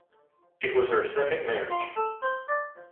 It was her second marriage.